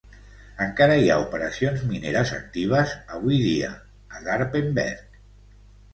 Encara hi ha operacions mineres actives avui dia a Garpenberg.